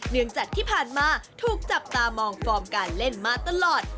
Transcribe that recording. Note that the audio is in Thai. เนื่องจากที่ผ่านมาถูกจับตามองฟอร์มการเล่นมาตลอด